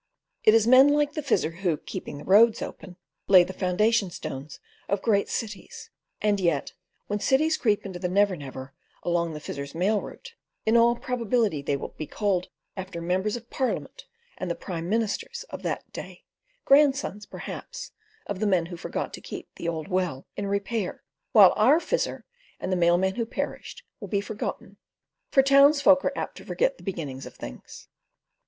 It is men like the Fizzer who, "keeping the roads open," lay the foundation stones of great cities; and yet when cities creep into the Never Never along the Fizzer's mail route, in all probability they will be called after Members of Parliament and the Prime Ministers of that day, grandsons, perhaps, of the men who forgot to keep the old well in repair, while our Fizzer and the mail man who perished will be forgotten; for townsfolk are apt to forget the beginnings of things.